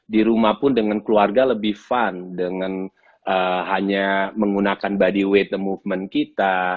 di rumah pun dengan keluarga lebih fun dengan hanya menggunakan bodyweight of movement kita